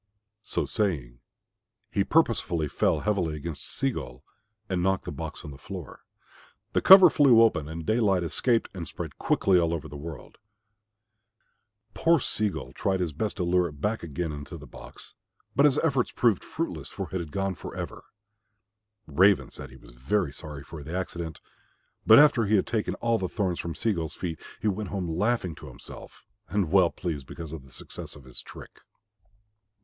So saying he purposely fell heavily against Sea gull and knocked the box on the floor. The cover flew open and daylight escaped and spread quickly over all the world. Poor Sea gull tried his best to lure it back again into the box, but his efforts proved fruitless, for it had gone for ever. Raven said he was very sorry for the accident, but after he had taken all the thorns from Sea gull's feet he went home laughing to himself and well pleased because of the success of his trick.